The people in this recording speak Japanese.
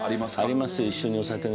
ありますよ。